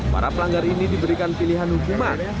para pelanggar ini diberikan pilihan hukuman